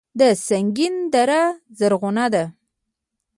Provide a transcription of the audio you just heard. د سنګین دره زرغونه ده